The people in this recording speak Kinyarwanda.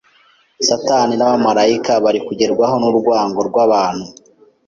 Satani n’abamarayika bari kugerwaho n’urwango rw’abantu.